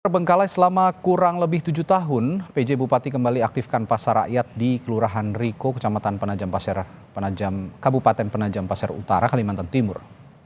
terbengkalai selama kurang lebih tujuh tahun pj bupati kembali aktifkan pasar rakyat di kelurahan riko kecamatan penajam pasir utara kalimantan timur